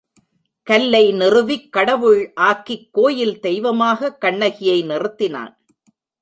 கல்லை நிறுவிக் கடவுள் ஆக்கிக் கோயில் தெய்வமாகக் கண்ணகியை நிறுத்தினான்.